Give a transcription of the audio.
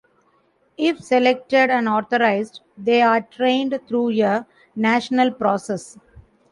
If selected and authorized, they are trained through a national process.